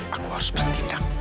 aku harus bertindak